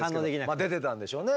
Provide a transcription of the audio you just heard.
まあ出てたんでしょうね。